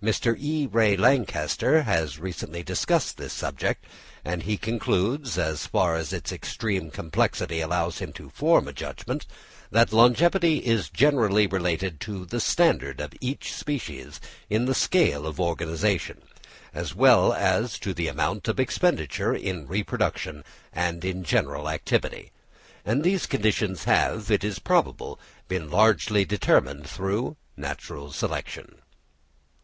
Mr. E. Ray Lankester has recently discussed this subject, and he concludes, as far as its extreme complexity allows him to form a judgment, that longevity is generally related to the standard of each species in the scale of organisation, as well as to the amount of expenditure in reproduction and in general activity. And these conditions have, it is probable, been largely determined through natural selection.